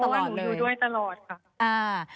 ใช่เพราะหนูอยู่ด้วยตลอดค่ะ